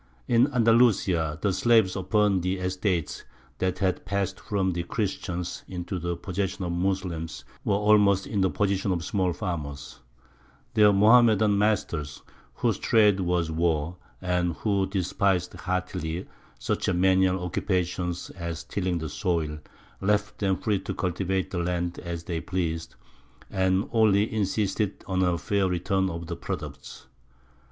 In Andalusia, the slaves upon the estates that had passed from the Christians into the possession of Moslems were almost in the position of small farmers; their Mohammedan masters, whose trade was war, and who despised heartily such menial occupations as tilling the soil, left them free to cultivate the land as they pleased, and only insisted on a fair return of products.